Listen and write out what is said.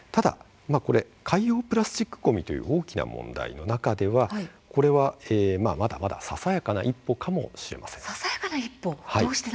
海洋プラスチックごみという大きな問題の中ではこれはまだまだささやかな一歩かもしれません。